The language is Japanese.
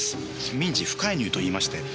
民事不介入といいまして。